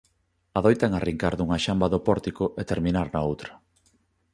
Adoitan arrincar dunha xamba do pórtico e terminar na outra.